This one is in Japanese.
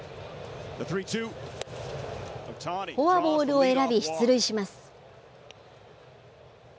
フォアボールを選び、出塁します。